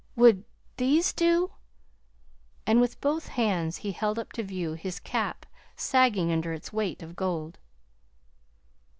Would these do?" And with both hands he held up to view his cap sagging under its weight of gold.